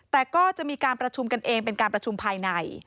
แต่ก็จะมีการประชุมกันเองเป็นการประชุมภายใน